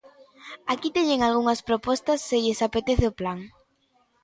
Aquí teñen algunhas propostas se lles apetece o plan.